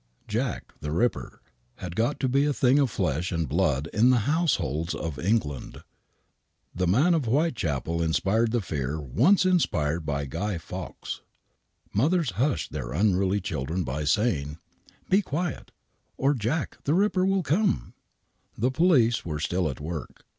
" Jack, the Ripper," had got to be a thing of flesh and blood in the households of England. The man of Whitechapel inspired the fear once inspired by Guy Fawkes. Mothers hushed their unruly children by saying: 34 THE WHITECHAPEL MURDERS 1 " Be quiet, or * Jack, the Ripper,* will come." The police were still at work.